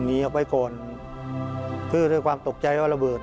หนีออกไปก่อนคือด้วยความตกใจว่าระเบิด